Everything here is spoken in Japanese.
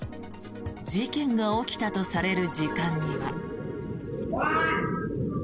事件が起きたとされる時間には。